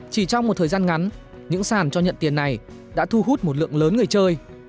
chỉ trong một thời gian ngắn những sàn cho nhận tiền này đã thu hút một lượng lớn người chơi